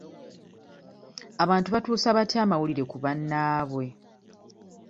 Abantu batuusa batya amawulire ku bannaabwe?